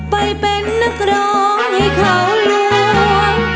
ไปเป็นนักร้องให้เขาล้วง